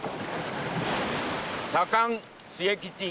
左官・末吉。